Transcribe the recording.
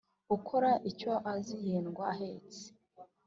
ukora icyo azi yendwa ahetse